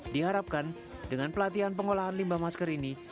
diharapkan dengan pelatihan pengolahan limbah masker ini